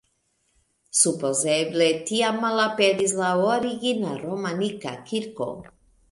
Supozeble tiam malaperis la origina romanika kirko.